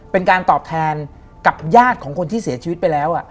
เป็นการตอบแทนกับญาติของคนที่เสียชีวิตไปแล้ว